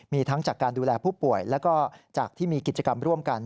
มีทั้งจากการดูแลผู้ป่วยแล้วก็จากที่มีกิจกรรมร่วมกัน